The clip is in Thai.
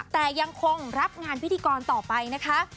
แต่ยังคงรับงานพิธีกรต่อไปนะคะ